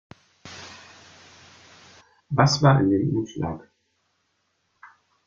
Was war in dem Umschlag?